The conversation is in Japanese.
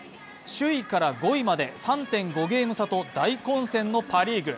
首位から５位まで３．５ゲーム差と大混戦のパ・リーグ。